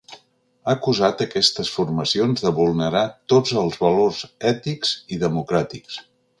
Ha acusat aquestes formacions de vulnerar tots els valors ètics i democràtics.